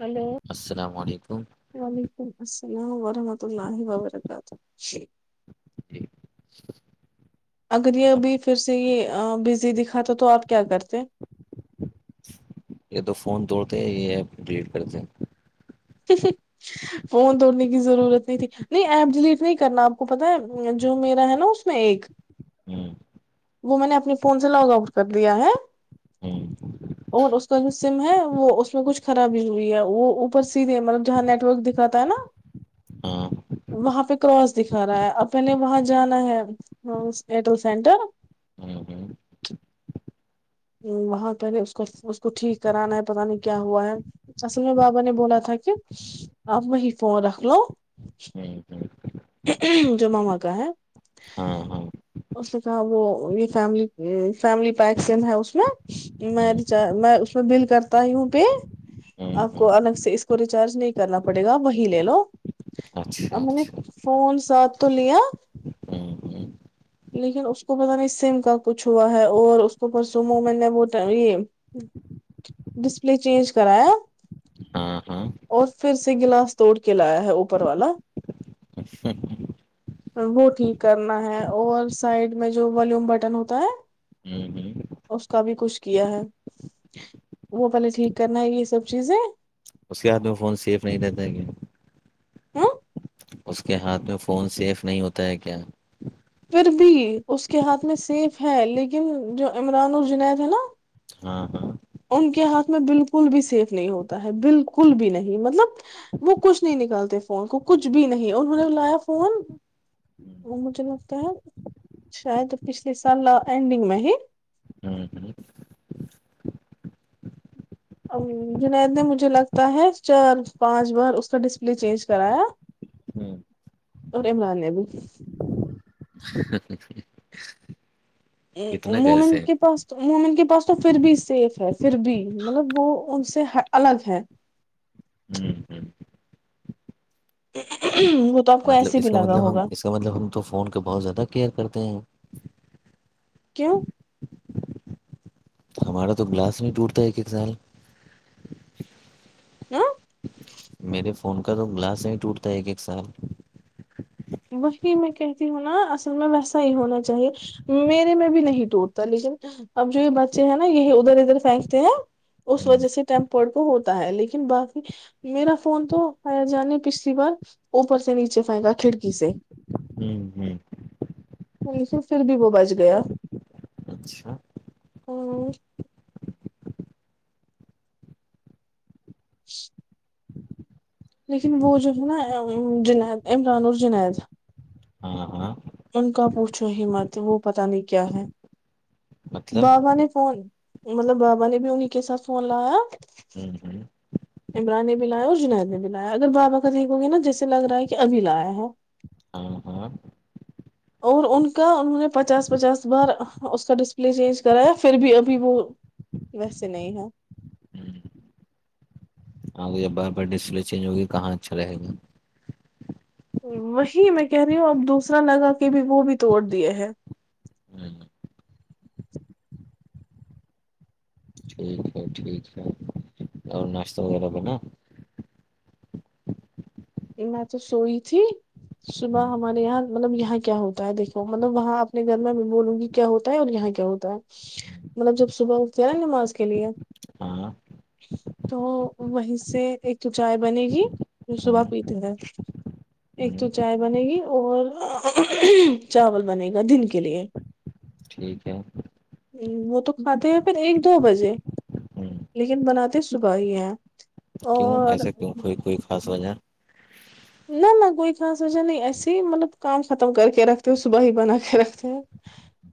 hello السلام علیکم وعلیکم السلام ورحمۃ اللہ وبرکاتہ ٹھیک اگر یہ ابھی پھر سے یہ بزی دکھاتا تو آپ کیا کرتے یہ تو فون توڑتے ہیں یہ ایپ ڈیلیٹ کرتے فون توڑنے کی ضرورت نہیں تھی نہیں ایپ ڈیلیٹ نہیں کرنا آپ کو پت ہے جو میرا ہے نا اس میں ایک ہوں [unintelligible] وہ میں نے اپنے فون سے لاگ آؤٹ کر دیا ہے ہوں اور اس کا جو سم ہے وہ اس میں کچھ خرابی ہوئی ہے وہ اوپر سے سیدے مطل جہ نیٹورک دکھاتا ہے نا ہاں وہاں پہ کراس دکھا رہا ہے پہنے وہاں جانا ہے ہاں ایٹل سینٹر ہاں ہاں [unintelligible] وہاں پہلے اس کو اس کو ٹھیک کرانا ہے پتہ نہیں کیا ہوا ہے اصل میں بابا نے بولا تھا کہ آپ وہیں فون رکھ لو ہوں ہوں جو ماما کا ہے ہاں ہاں [unintelligible] اس نے کہا وہ یہ فیم فیملی پیکند ہے اس میں میں ہوں ریچار میں اس میں بل کرتا ہی ہوں پے ہوں آپ ہوں کو الگ سے اس کو ریچارج نہیں کرنا پڑے گا وہی لے لو ا اچھا میں نے اچھا فون ساتھ تو لیا ہوں ہوں لیکن اس کو پتہ نہیں سم کا کچھ ہوا ہے اور اس کو پرس میں نے یہ ڈسپلے چینج کرایا ہاں ہاں اور پھر سے گلاس توڑ کے لایا ہے اوپر والا ا سر وہ ٹھیک کرنا ہے [unintelligible] اور سائڈ میں جو والوم بٹن ہوتا ہے ہوں ہوں [inaudible] اس کا بھی کچھ کیا ہے وہ پہلے ٹھیک کرنا ہے یہ سب چیزیں اس کے ہاتھ میں فون سیف نہیں رہتا ہے کیا ہ [inaudible] اس کے ہاتھ میں فون سیف نہیں ہوتا ہے کیا پھر بھی اس کے ہاتھ میں سیف ہے لیکن جو عمران ال جنید ہے نا [unintelligible] ان کے ہاتھ میں بالکل بھی سیف نہیں ہوتا ہے بالکل بھی نہیں مطلب وہ کچھ نہیں نکلتے فون کو کچھ بھی نہیں اور نے بلایا فون ہوں مجھے لگتا ہے شاید پچھلے سال اینڈنگ میں ہی ہاں ہوں ا جنید نے مجھے لگتا ہے چار پانچ بار اس کا ڈسپلے چینج کرایا ہوں اور عمران ہے بھی [unintelligible] اتنے عمونا کیسے کے پاس وہومن کے پاس تو پھر بھی سیف ہے پھر بھی مطلب وہ ان سے الگ ہے ہوں ہوں وہ تو آپ کو مطلب ایسے اس بھی کا لگا مطلب ہم ہوگا اس مطلب ہم تو فون پ بہت زیادہ کیئر کرتے ہیں کیوں [inaudible] ہمارا تو گلاس میں ٹوٹتا ہے ایک ایک سال [inaudible] میرے فون کا تو گلاس ہی ٹوٹتا ہے ایک ایک سال وہی میں کہتی ہوں نا اصل میں ویسا ہی ہونا چاہیے میرے میں بھی نہیں ٹوٹتا لیکن اب جو یہ بچے ہیں نا یہی ادھر ادھر پھینکتے ہیں اس ہوں وجہ سے ٹیمپڈ کو ہوتا ہے لیکن باقی میرا فون تو آیا جانے پچھلی بار اوپر سے نیچے پنکا کھڑکی سے جی جی پھر بھی وہ بچ گیا اچھا لیکن وہ جو ہے نا جنید عمران اور جنید ہاں ہاں ان کا پوچھو ہممت وہ پتا نہیں کیا ہے مطلب بابا نے فون مطلب بابا نے بھی انہیں کے ساتھ فون لایا [unintelligible] عمران نے بھی لایا اور جنید نے بھی لایا اگر بابا کاتیک گے نا جیسے لگ رہا ہے کہ ابھی لایا ہے ہاں ہاں اور ان کا انہوں نے پچاس پچاس بار اس کا ڈسپلے چینج کرایا پھر بھی ابھی وہ ویسے نہیں ہے ہوں ہاں بار بار ڈسپلے چینج ہوگی کہاں اچھا رہے گا وہی میں کہہ رہی ہوں اب دوسرا لگا کہ بھی وہ بھی توڑ دیا ہیں ہ ٹھیک ٹھیک ہے اور ناشتہ وغیرہ بھی نا یہ م تو سوئی تھی صبح ہوں، ہمارے یہاں مطلب یہاں کیا ہوتا ہے دیکھو مطلب وہاں اپنے گھر میں میں بولوں گی کیا ہوتا ہے اور یہاں کیا ہوتا ہے مطلب جب صبح اٹتے ہیں نا نماز کے لیے ہاں تو وہیں سے ایک چائے بنے گی جو صبح ہوں پیتی کدا ایک تو ہوں چائے بنے گی اور چاول بنے گا دن کے لیے ٹھیک ہے وہ تو کھاتاتے ہیں پھر ایک دو بجے ہوں لیکن بناتے صبح ہی ہے کیوں ایسا کیوں کوئی کوئی خاص وجہ نہ نہ کوئی خاص وجہ نہیں ایسے ہی مطلب کام ختم کر کے رکھتے ہو صبح ہی بنا کے رکھتے ہو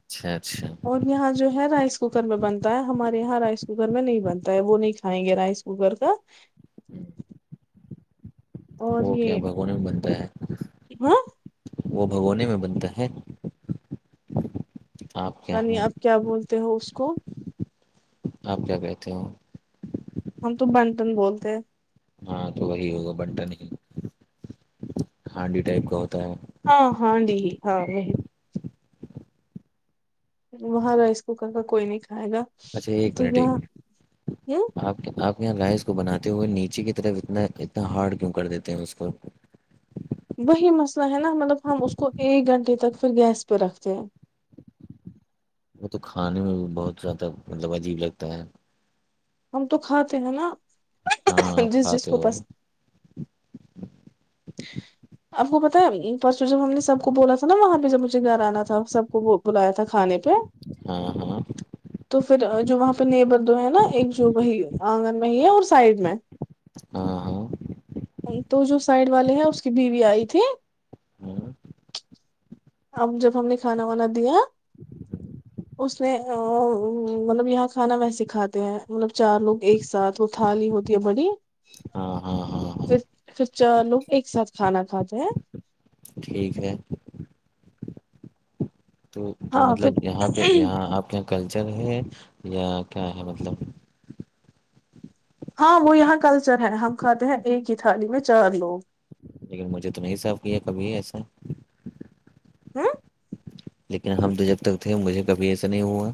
اچھا اچھا یہاں جو ہے رائس کوکر میں بنتا ہے ہمارے یہاں رائس کوکر میں نہیں بنتا ہے وہ نہیں کھائیں گے رائسک وہ کر کا ہوں، اور وہ کیا یہ بھگونے میں بنتا ہے ہاں وہ بھگونے میں بنتا ہے آپ کیا عنی ہاں آپ کیا بولتے ہو اس کو آپ کیا کہتے ہو ہم تو بنٹن بولتے ہیں ہاں تو وہی ہوگا بنٹن ہی ہانڈی ٹائپ کا ہوتا ہے ہ ہاں دی ہاں ر وہاں رائس کوکر کا کوئی نہیں کھائے گا اچھا ایک تو منٹ ایک یہاں یہ آپ کتا آپ کے یہاں ل اس کو بناتے ہوئے نیچے کی طرف اتنا اتنا ہارڈ کیوں کر دیتے ہیں اس کو وہی مسئلہ ہے نا مطلب ہم اس کو ایک گھنٹے تک پھر گیس پہ رکھتے ہیں وہ تو کھانے میں بہت زیادہ مطلب عجیب لگتا ہے ہم تو کھاتے ہیں نا ہاں اپ جس جس کھاتے کو ہو پس آپ کو پتا پرسوں جب ہم نے سب کو بولا تھا نا وہاں پہ جب مجھے گھر آنا تھا سب کو بلایا تھا کھانے پہ ہاں ہاں تو پھر جو وہاں پہ نیبر دو ہے نا ایک جو وہی آنگن میں ہی ہے اور سائڈ میں ہاں ہاں تو جو سائڈ والے ہیں اس کی بیوی آئی تھی ہاں اب جب ہم نے کھانا وانا دیا [inaudible] اس نے مطلب یہاں کھانا ویسے کھاتے ہیں مطلب چار لوگ ایک ساتھ تھالی ہوتی ہے بڑی ہاں ہاں ہاں ہاں پھر پھر چ لوگ ایک ساتھ کھانا کھاتے ہیں ٹھیک ہے تو تو ہاں مطلب یہاں پہ پھر یہاں آپ کے یہاں کلچر ہے یا کیا ہے مطلب ہاں وہ یہاں کلچر ہے ہم کھاتے ہیں ایک ہی تھالی میں چار لوگ لیکن مجھے تو نہیں صاف کیا کبھی ایسے [unintelligible] لیکن ہم تو جب تک تھے مجھے کبھی ایسا نہیں ہوا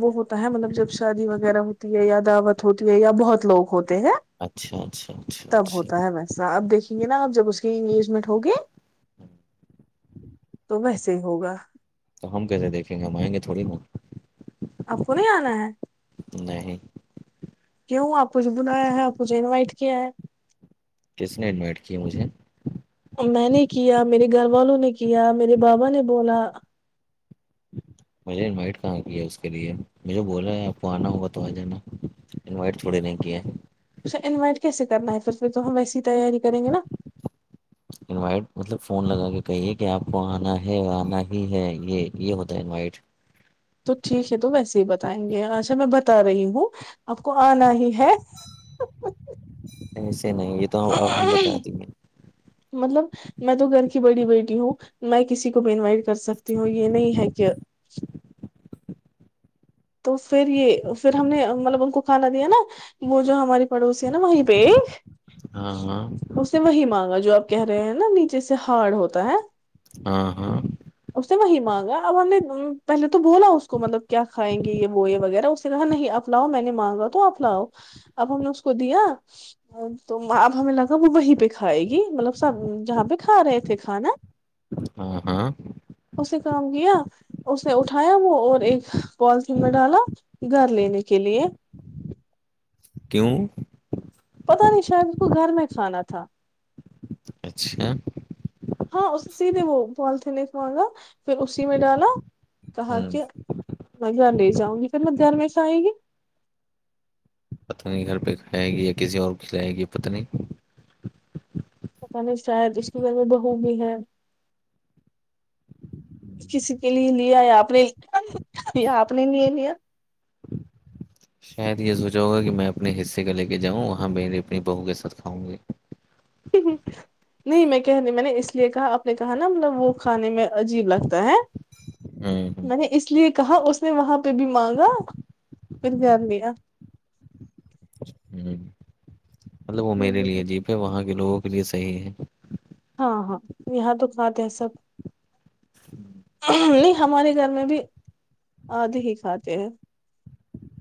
وہ ہوتا ہے مطلب جب شادی وغیرہ ہوتی ہے یا دعوت ہوتی ہے یا بہت لوگ ہوتے ہیں اچھا اچھا اچھا اچھا ا آپ دیکیں گےا آپ جب اس کی انگیجمنٹ ہوگی تو ویسے ہی ہوگا تو ہم کیسے دیکھ گ ہم آئیں گے تھوڑیت اپ کو نہیں انا ہے نہیں کیوں آپ کچھ بنایا ہے آپ کوھ انوائٹ کیا ہے کس نے انوائٹ کی مجھے میں نے کیا میرے گھر والوں نے کیا میرے بابا نے بولا مجھے انوائٹ کیا ہے اس کے لیے مجھے بول رہے ہے آپ کو آنا ہوگا تو آ جانا انوائٹ چوڑی نہیں کی ہے اا انوائٹ کیسے کرنا ہے پھر پھر تو ہم ویسی ہی تیاری کریں گے نا انوائٹ مطلب فون لگا کے کہیے کہ آپ کو آنا ہے آنا ہی ہے یہ یہ ہوتا ہے انوائٹ تو ٹھیک ہے تو ویسے ہی بتائیں گے اچھا میں بتا رہی ہوں آپ کو آنا ہی ہے ایسے نہیں یہ تو آپ ہم بتا دییںے مطلب میں تو گھر کی بڑی بیٹی ہوں میں کسی کو بھی انوائٹ کر سکتی ہوں یہ نہیں ہے کہ تو پھر یہ پھر ہم نے مطلب ان کو کھانا دیا نا وہ جو ہماری پڑوسی ہے نا وہیں بیگ ہاں ہاں سے وہی مانگا جو آپ کہہ رہے ہیں نا نیچے سے ہارڈ ہوتا ہے ہاں ہاں اس سے وہی مانگا اب ہم نے پہلے تو بولا اس کو مطلب کیا کھائیں گے یہ وہ یہ وغیرہ اس نے کہا نہیں اپ لاؤ میں نے مانگا تو اپ لاؤ اب ہم نے اس کو دیا تو اب ہمیں لگا وہ وہیں پہ کھائے گی مطلب سب جہاں پہ کھا رہے تھے کھانا ہ ہاں سے کام گیا اسنے اٹھایا وہ اور ایک پولیتھین میں ڈالا گھر لینے کے لیے کیوں پتا نہیں شاید اس کو گھر میں کھانا تھا اچھا ہاں اس سیدھے وہ پولیتھین ایک مانگا پھر اسی میں ڈالا کہا ک ہوں، بھیا لے جاؤں گی پھر میںدہان میں سے آئے گی پتہ نہیں گھر پہ کھلائے گی یا کسی اور کو کھلائے گی پتہ نہیں پتاہ نہیں شاید اس کے گھر میں بہو بھی ہے کسی کے لیے لیا یا آپ نے آپ نے لے لیا شاید یہ سوچا ہوگا کہ میں اپنے حصے کا لے کے جاؤں وہاں میری اپنی بہو کے ساتھ کھاؤں گی [inaudible] نہیں میں کہنے میں نے اس لیے کہا اپ نے کہا نا مطلب وہ کھانے میں عجیب لگتا ہے ہوں ہوں میں نے اس لیے کہا اس نے وہاں پہ بھی مانگا پھر دھیان دیا ہوں مطلب وہ میرے لیے عجیب ہے وہاں کے لوگوں کے لیے صحیح ہے ہاں ہاں یہاں تو کھاتے ہیں سب نہیں ہمارے گھر میں بھی ادھے ہے کھاتے ہیں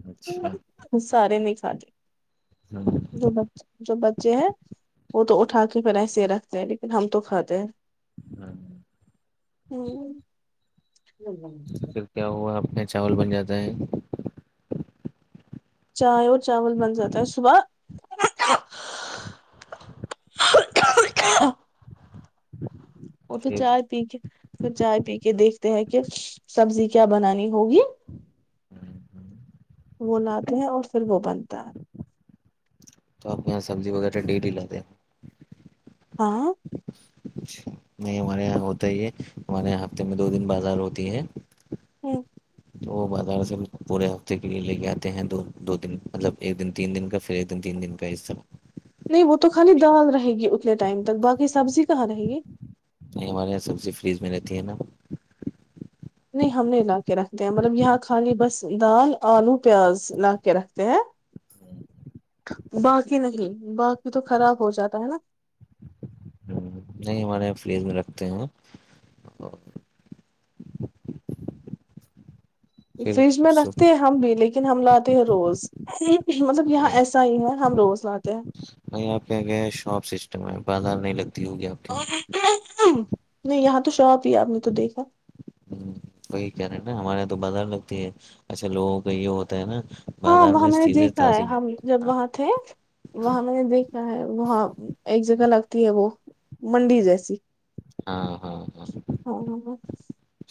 اچھا ہم سارے نہیں کھاتے ہاں جو جو بچے ہیں وہ تو اٹھا کے پھر ایسے ہی رکھتے ہیں لیکن ہم تو کھاتے ہیں ہاں ہو پھر کیا ہوا آپ کے یہاں چاول بن جاتا ہے چائے اور چاول بن جاتا ہے صبح اور پھر چائے پی کے تو چائے پی کے دیکھتے ہیں کہ سبزی کیا بنانی ہوگی وہ لاتے ہیں اور پھر وہ بنتا ہے تو آپ یہاں سبزی وغیرہ ڈیلی لاتے ہاں اچھا نہیں ہمارے یہاں ہوتا ہی ہے ہمارے یہاں ہفتے میں دو دن بازار ہوتی ہے ہو تو وہ بازار سے پورے ہفتے کے لیے لے کے آتے ہیں دو دو دن مطلب ایک دن تین دن کا پھر ایک دن تین دن کا ایسا نہیں وہ تو خالی دال رہے گی اتنے ٹائم تک باقی سبزی کہاں رہے گی نہیں ہمارے یہاں سبزی فریز میں رہتی ہے نا نہیں ہم نہیں لا کے رکھتے ہیں مطلب یہاں خالی بس دال آلو پیاز لا کے رکھتے ہیں جی باقی نہیں باقی تو خراب ہو جاتا ہے نا نہیں ہمارے فریز میں رکھتے ہیں اور پھر فریج میں سب رکھتے ہیں ہم بھی لیکن ہم لاتے ہیں روز مطلب یہاں ایسا ہی ہے ہم روز لاتے ہیں نہیں آپ پہلے شاپ سسٹم ہے بازار نہیں لگتی ہوگی آب نہیں یہاں تو شاپ ہی آپ نے تو دیکھا ہوں، وہی کہہ رہے ہیں نا ہمارے یہاں تو بازار لگتی ہے اچھا لوگوں کا یہ ہوتا ہے نا ہاں بازار وہاں میں اس نے چیزیں دیکھا ہے تازی ہم جب ہاں وہاں تھے وہاں میں نے دیکھا ہے وہاں ایک جگہ لگتی ہے وہ منڈی جیسی ہاں ہاں ہاں ہاں ہاںاں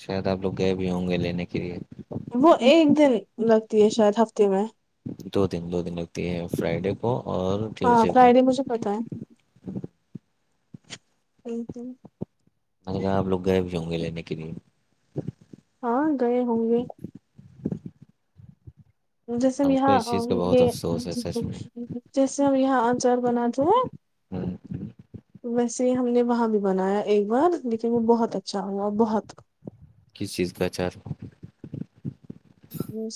شاید آپ لوگ گئے بھی ہوں گے لینے کے لیے وہ ایک دن لگتی ہے شاید ہفتے میں دو دن دو دن لگتی ہے فرائیڈے کو اور ہاں ٹیوزڈے کو فرائیڈے مجھے پتا ہےی میں نے کہا آ لوگ گئے بھی ہوں گے لینے کے لیے ہاں گئے ہوں گے جیسے ہم کو یہاں اس چیز کا بہت یہ افسوس ہے سچ میں جیسے ہم یہاں انچار بناتے ہیں ہوں ویسے ہم نے وہاں بھی بنایا ایک بار لیکن میں بہت اچھا ہ گا اور بہت کس چیز کا اچار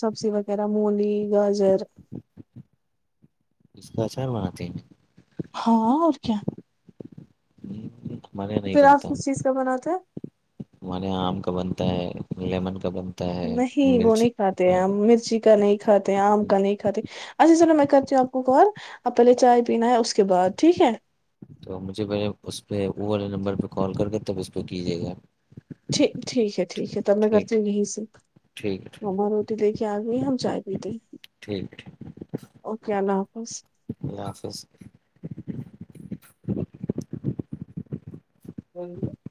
سبزی وغیرہ مولی گاجر اس کاچار م آاتتے ہیں ہاں اور کیا ہوں، ہمارے یہاں نہیں پھر آپ بنتا ک چیز کا بناتے ہیں ہمارے یہاں آم کا بنتا ہے لیمن کا بنتا ہے نہیں وہ مرچ نہیں کھاتے ہیں ہاں ہم مرچی کا نہیں کھاتے آم کا نہیں کھاتے اچھا چلو میں کرتی ہوں آپ کو کال اب پہلے چائے پینا ہے اس کے بعد ٹھیک ہے تو مجھے پے اس پہ وہ والے نمبر پہ کال کر کے تب اس پہ کیجیے گا یک ٹھیک ہے ٹھیک ہے تب میں ٹھیک کرتی ہوں یہی سے ٹھیک ہمار روٹی لے کے آ گئی ہم چائے پیتے ٹھیک ہےٹھیک اوکے اللہ حافظ اللہ حافظ ب [inaudible]